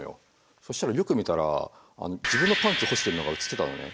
そしたらよく見たら自分のパンツ干してるのが写ってたのね。